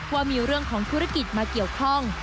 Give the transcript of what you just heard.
ว่ามีเรื่องของธุรกิจมาเกี่ยวข้อง